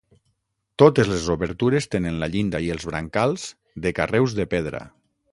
Totes les obertures tenen la llinda i els brancals de carreus de pedra.